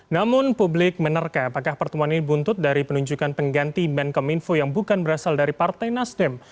namun publik menerka apakah pertemuan ini buntut dari penunjukan pengganti menkom info yang bukan berasal dari partai nasdem